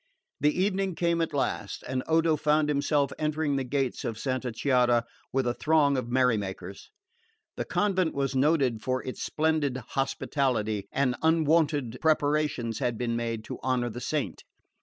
The evening came at last, and Odo found himself entering the gates of Santa Chiara with a throng of merry makers. The convent was noted for its splendid hospitality, and unwonted preparations had been made to honour the saint.